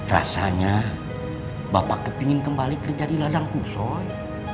rasanya bapak kepingin kembali kerja di ladang kusoi